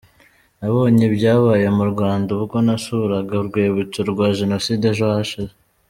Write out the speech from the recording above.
Nabonye ibyabaye mu Rwanda ubwo nasuraga Urwibutso rwa Jenoside ejo hashize.